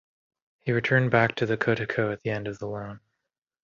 He returned back to Kotoko at the end of the loan.